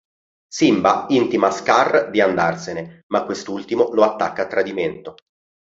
Simba intima a Scar di andarsene, ma quest’ultimo lo attacca a tradimento.